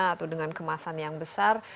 atau dengan kemasan yang besar